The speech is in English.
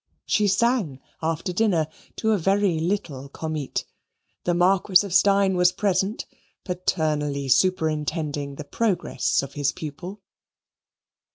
She sang after dinner to a very little comite. The Marquis of Steyne was present, paternally superintending the progress of his pupil.